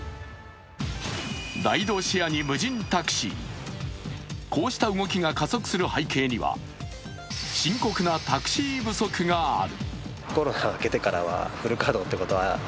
ライドシェアに無人タクシー、こうした動きが加速する背景には深刻なタクシー不足がある。